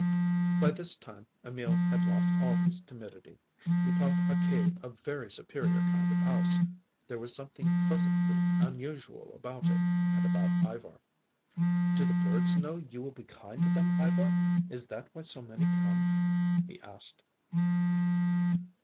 By this time Emil had lost all his timidity. He thought a cave a very superior kind of house. There was something pleasantly unusual about it and about Ivar. "Do the birds know you will be kind to them, Ivar? Is that why so many come?" he asked.